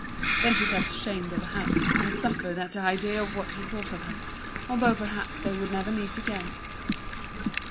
Then she felt ashamed of the house, and suffered at the idea of what he thought of her, although perhaps they would never meet again.